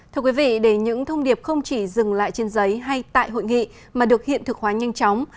thưa quý vị để những thông điệp không chỉ dừng lại trên giấy hay tại hội nghị mà được hiện thực hóa nhanh chóng